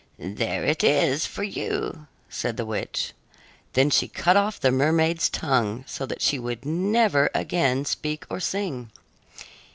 "There it is for you," said the witch. Then she cut off the mermaid's tongue, so that she would never again speak or sing.